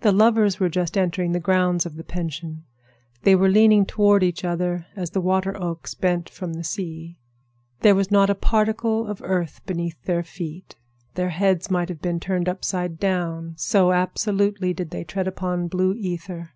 The lovers were just entering the grounds of the pension. They were leaning toward each other as the water oaks bent from the sea. There was not a particle of earth beneath their feet. Their heads might have been turned upside down, so absolutely did they tread upon blue ether.